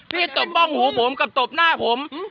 ตบป้องหูผมกับตบหน้าผม